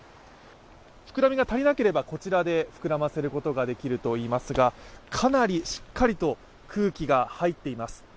膨らみが足りなければこちらで膨らませることができるといいますがかなりしっかりと空気が入っています。